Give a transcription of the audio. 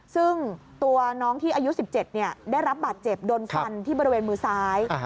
ซึ่งตัวน้องที่อายุ๑๗ได้รับบาดเจ็บโดนฟันที่บริเวณมือซ้าย